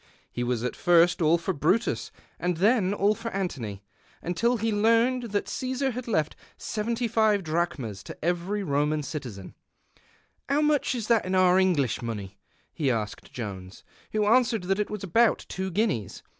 He was at first all for Brutus and then all for Antony, until he learnt that Casar had left 75 drachmas to every Roman citizen. '* How much is that in our English money ?' he asked Joins, who answered that it was al)out two guineas.